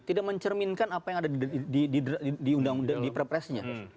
tidak mencerminkan apa yang ada di perpresnya